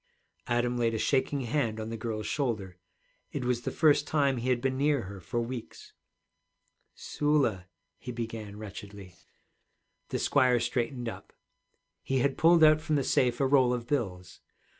Adam laid a shaking hand on the girl's shoulder. It was the first time he had been near her for weeks. 'Sula,' he began wretchedly. The squire straightened up. He had pulled out from the safe a roll of bills.